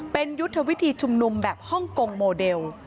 เป็นยุทธวิธีชุมนุมแบบฮ่องกงโมเดล